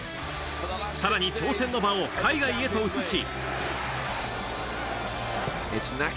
さらに挑戦の場を海外へと移し。